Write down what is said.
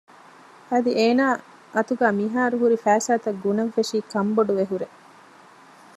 އަދި އޭނާ އަތުގައި މިހާރު ހުރި ފައިސާތައް ގުނަން ފެށީ ކަންބޮޑުވެ ހުރޭ